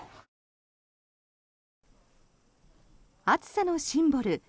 暑さのシンボル